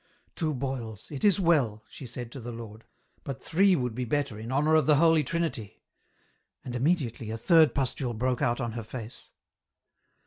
' Two boils, it is well,' she EN ROUTE. 39 said to the Lord, ' but three would be better in honour of the Holy Trinity,' and immediately a third pustule broke out on her face.